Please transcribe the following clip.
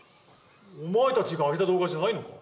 お前たちが上げた動画じゃないのか？